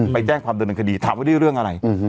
ไปแจ้งความดำเนินคดีถามว่าได้เรื่องอะไร